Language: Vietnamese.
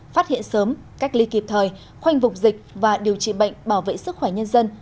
phát hiện sớm cách ly kịp thời khoanh vùng dịch và điều trị bệnh bảo vệ sức khỏe nhân dân